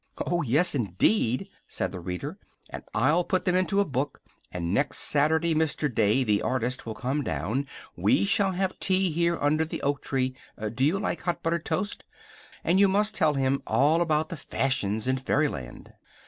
"Oh yes, indeed," said the reader. "And I'll put them into a book; and next Saturday Mr. Day, the artist, will come down; we shall have tea here under the oak tree, do you like hot buttered toast? and you must tell him all about the fashions in Fairyland."